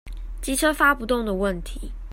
機車發不動的問題